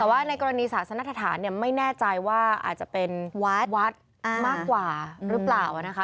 แต่ว่าในกรณีศาสนทฐานเนี่ยไม่แน่ใจว่าอาจจะเป็นวัดวัดมากกว่าหรือเปล่านะคะ